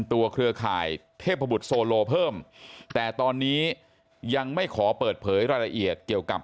เครือข่ายเทพบุตรโซโลเพิ่มแต่ตอนนี้ยังไม่ขอเปิดเผยรายละเอียดเกี่ยวกับ